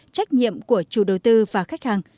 trách nhiệm của chủ đầu tư và khách hàng